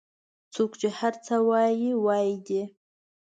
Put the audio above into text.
څوک چې هر څه وایي وایي دي